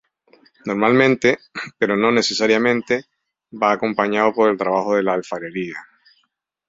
Normalmente, pero no necesariamente, va acompañado por el trabajo de la alfarería.